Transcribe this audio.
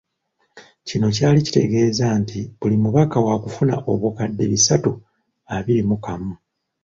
Kino kyali kitegeeza nti buli mubaka waakufuna obukadde bisatu abiri mu kamu.